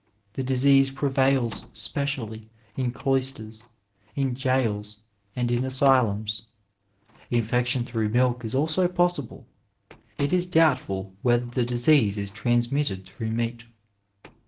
The disease prevails specially in cloisters, in jails and in asylums. Infection through milk is also possible; it is doubtful whether the disease is transmitted through meat.